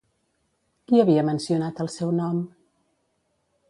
Qui havia mencionat el seu nom?